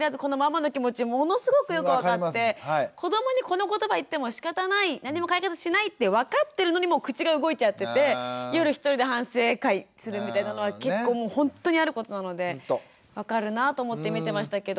子どもにこの言葉言ってもしかたない何も解決しないって分かってるのにもう口が動いちゃってて夜一人で反省会するみたいなのは結構ほんとにあることなので分かるなぁと思って見てましたけど。